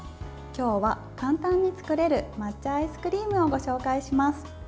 今日は簡単に作れる抹茶アイスクリームをご紹介します。